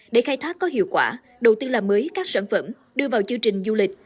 để khai thác có hiệu quả đầu tư làm mới các sản phẩm đưa vào chương trình du lịch